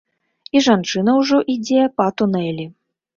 І жанчына ўжо ідзе па тунэлі.